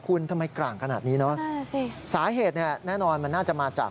คุณทำไมกลางขนาดนี้เนอะสาเหตุเนี่ยแน่นอนมันน่าจะมาจาก